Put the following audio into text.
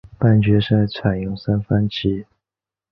半决赛采用三番棋。